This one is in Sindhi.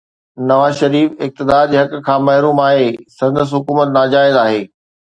نواز شريف اقتدار جي حق کان محروم آهي، سندس حڪومت ناجائز آهي.